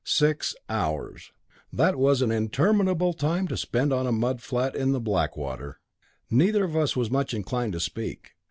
Six hours! That was an interminable time to spend on a mudflat in the Blackwater. Neither of us was much inclined to speak.